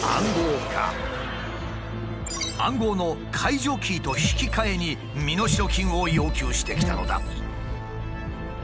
暗号の解除キーと引き換えに身代金を要求してきたのだ。